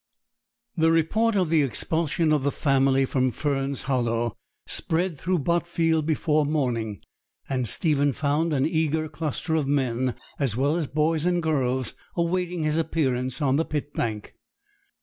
The report of the expulsion of the family from Fern's Hollow spread through Botfield before morning; and Stephen found an eager cluster of men, as well as boys and girls, awaiting his appearance on the pit bank.